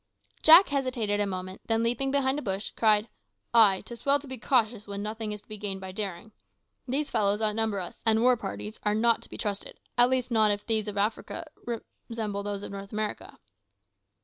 Jack hesitated a moment, then leaping behind a bush, cried "Ay, 'tis well to be cautious when nothing is to be gained by daring. These fellows outnumber us, and war parties are not to be trusted at least not if these of Africa resemble those of North America."